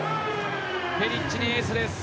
ペリッチ、エースです。